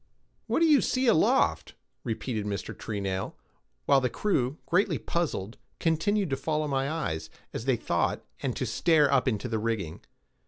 "What do you see aloft?" repeated Mr. Treenail, while the crew, greatly puzzled, continued to follow my eyes, as they thought, and to stare up into the rigging.